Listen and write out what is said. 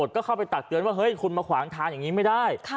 ก็เข้าไปตักเตือนว่าเฮ้ยคุณมาขวางทางอย่างนี้ไม่ได้